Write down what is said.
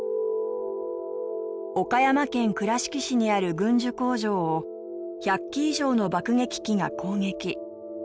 岡山県倉敷市にある軍需工場を１００機以上の爆撃機が攻撃。